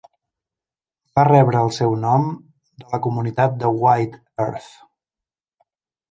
Va rebre el seu nom de la comunitat de White Earth.